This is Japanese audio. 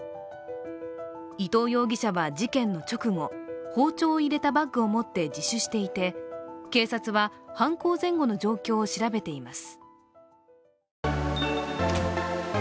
伊藤容疑者は事件の直後、包丁を入れたバッグを持って自首していて警察は犯行前後の状況を調べています。